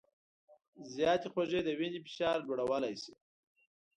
زیاتې خوږې د وینې فشار لوړولی شي.